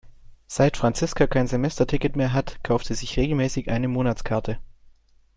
Seit Franziska kein Semesterticket mehr hat, kauft sie sich regelmäßig eine Monatskarte.